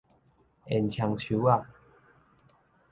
煙腸樹仔